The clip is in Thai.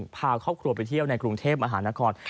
พาครอบครัวไปเที่ยวในกรุงเทพมหานคร